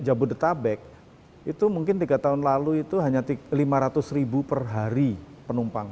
jabodetabek itu mungkin tiga tahun lalu itu hanya lima ratus ribu per hari penumpang